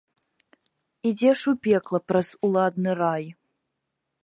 Ідзеш у пекла праз уладны рай.